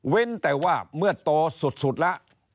เว้นแต่ว่าเมื่อโตสุดละ